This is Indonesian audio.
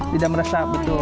tidak meresap betul